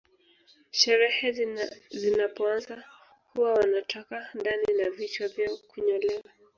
Sherehe zinapoanza huwa wanatoka ndani na vichwa vyao hunyolewa